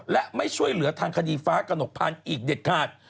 และไม่ช่วยเหลือทางคดีฟ้ากระหนกพันธุ์อีกเด็ดขาด